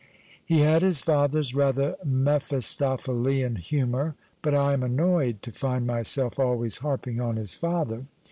He had his father's rather Mephistophelean humour — but I am annoyed to find myself always harping on his father.